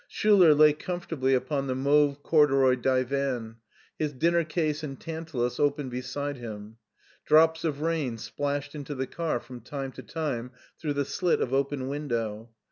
Schtiler lay comfortably upon the mauve corduroy divan, his dinner case and tantalus open beside him. Drops of rain splashed into the car from time to time, through the slit of open window.